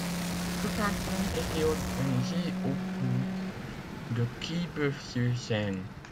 Ce canton était organisé autour de Quillebeuf-sur-Seine.